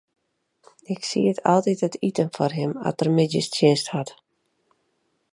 Ik sied altyd it iten foar him as er middeistsjinst hat.